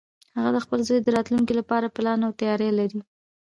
هغه د خپل زوی د راتلونکې لپاره پلان او تیاری لري